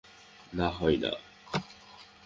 না, হয় না।